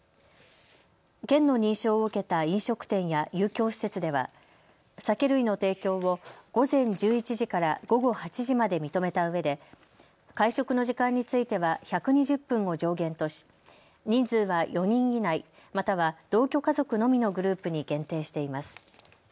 県の認証を受けた飲食店や遊興施設では酒類の提供を午前１１時から午後８時まで認めたうえで会食の時間については１２０分を上限とし人数は４人以内、または同居家族のみのグループに限定しています。